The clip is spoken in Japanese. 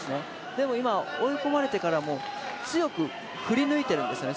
でも今、追い込まれてからも強く振り抜いてるんですよね。